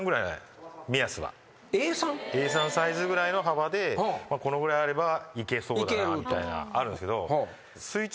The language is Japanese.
Ａ３サイズぐらいの幅でこのぐらいあればいけそうだなみたいな。